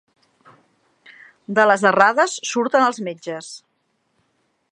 De les errades surten els metges.